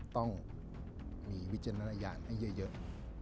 ต้องมีวิจารณญาณให้เยอะ